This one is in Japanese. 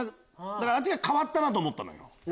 だからあっちが変わったなと思ったのよ。